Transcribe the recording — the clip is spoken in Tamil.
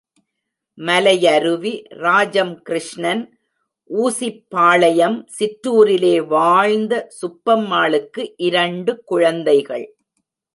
மலை யருவி —ராஜம் கிருஷ்ணன்— ஊசிப்பாளையம் சிற்றூரிலே வாழ்ந்த சுப்பம்மாளுக்கு இரண்டு குழந்தைகள்.